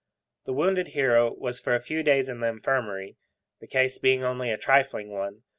The wounded hero was for a few days in the Infirmary, the case being only a trifling one.